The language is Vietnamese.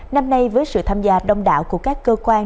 năm nay với sự tham gia đông đảo của các cơ quan